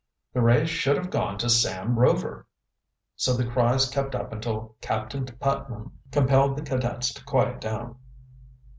"The race should have gone to Sam Rover!" So the cries kept up until Captain Putnam compelled the cadets to quiet down.